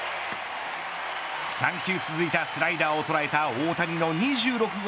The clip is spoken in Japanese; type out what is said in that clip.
３球続いたスライダーを捉えた大谷の２６号。